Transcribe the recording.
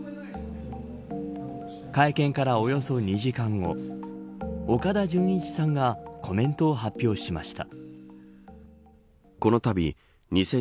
会見からおよそ２時間後岡田准一さんがコメントを発表しました。